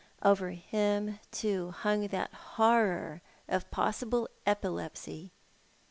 Over him, too, hung that horror of possible epilepsy.